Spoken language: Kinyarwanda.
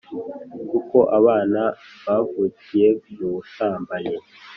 kuko abana bavukiye mu busambanyi